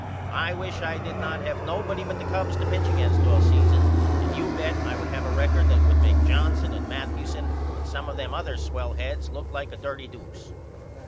I wish I did not have nobody but the Cubs to pitch against all season and you bet I would have a record that would make Johnson and Mathewson and some of them other swell heads look like a dirty doose.